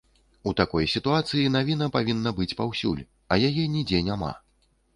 У такой сітуацыі навіна павінна быць паўсюль, а яе нідзе няма.